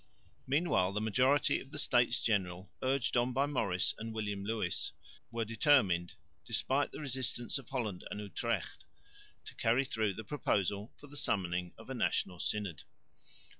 Meanwhile the majority of the States General, urged on by Maurice and William Lewis, were determined, despite the resistance of Holland and Utrecht, to carry through the proposal for the summoning of a National Synod.